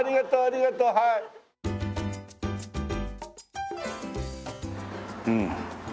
うん。